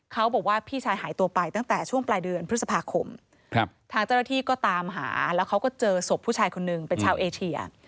เขาบอกว่าพี่ชายหายตัวไปตั้งแต่ช่วงปลายเดือนพฤษภาคมทางเจ้าหน้าที่ก็ตามหาแล้วเขาก็เจอศพผู้ชายคนนึงเป็นชาวเอเชีย